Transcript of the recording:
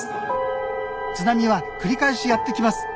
津波は繰り返しやって来ます。